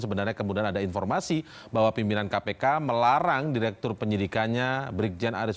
sebenarnya kemudian ada informasi bahwa pimpinan kpk melarang direktur penyidikannya brigjen aris